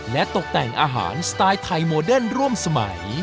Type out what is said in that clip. และตกแต่งอาหารสไตล์ไทยโมเดิร์นร่วมสมัย